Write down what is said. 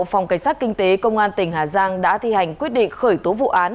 phòng cảnh sát kinh tế công an tỉnh hà giang đã thi hành quyết định khởi tố vụ án